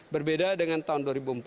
berbeda dengan tahun dua ribu empat belas